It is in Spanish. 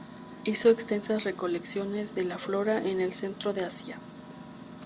Hizo extensas recolecciones de la flora en el centro de Asia.